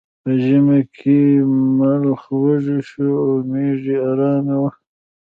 په ژمي کې ملخ وږی شو او میږی ارامه وه.